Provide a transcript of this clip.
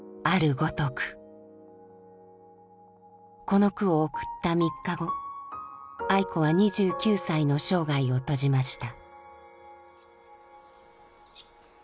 この句を送った３日後愛子は２９歳の生涯を閉じました。